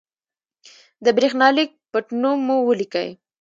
د برېښنالېک پټنوم مو ولیکئ.